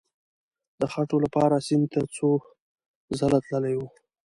د خټو لپاره سیند ته څو ځله تللی وو.